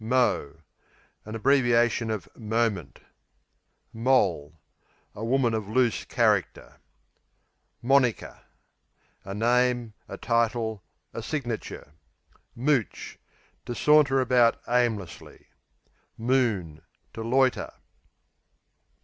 Mo An abbreviation of "moment." Moll A woman of loose character. Moniker A name; a title; a signature. Mooch To saunter about aimlessly. Moon To loiter.